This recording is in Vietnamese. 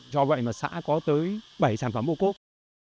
do vậy mà xã có tới bảy sản phẩm bộ quốc